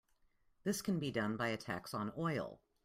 This can be done by a tax on oil.